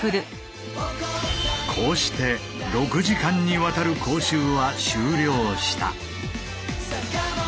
こうして６時間にわたる講習は終了した。